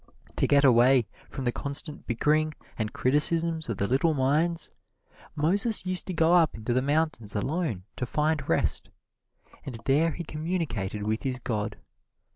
To get away from the constant bickering and criticisms of the little minds, Moses used to go up into the mountains alone to find rest, and there he communicated with his god.